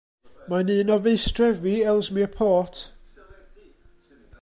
Mae'n un o faestrefi Ellesmere Port.